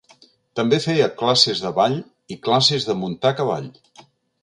També feia classes de ball i classes de muntar a cavall.